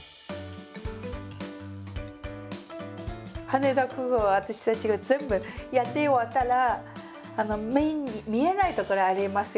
羽田空港は私たちが全部やって終わったら目に見えない所ありますよね